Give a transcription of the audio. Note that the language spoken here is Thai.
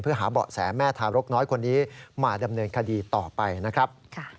เพื่อหาเบาะแสแม่ทารกน้อยคนนี้มาดำเนินคดีต่อไปนะครับ